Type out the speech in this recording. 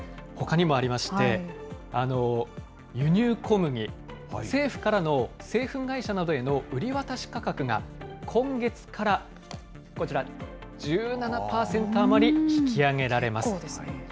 ほかにもありまして、輸入小麦、政府からの製粉会社などへの売り渡し価格が、今月からこちら、結構ですね。